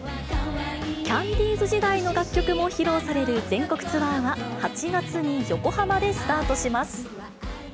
キャンディーズ時代の楽曲も披露される全国ツアーは、８月に横浜でスタートします。